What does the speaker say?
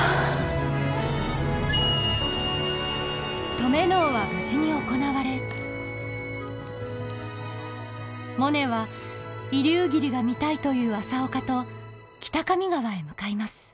登米能は無事に行われモネは移流霧が見たいという朝岡と北上川へ向かいます。